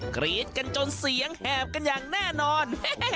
กรี๊ดกันจนเสียงแหบกันอย่างแน่นอน